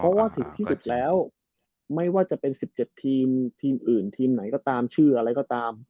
เพราะว่า๑๐ปี๑๐แล้วไม่ว่าจะเป็น๑๗ทีมอะไรทีมอื่นทีมเรื่องอะไรก็ตาม